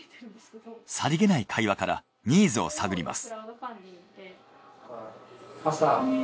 さりげない会話からニーズを探ります。